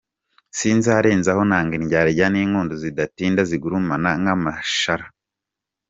Sinzarenzaho nanga indyarya n’inkundo zidatinda zigurumana nk’amashara.